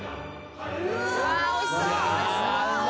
うわおいしそう！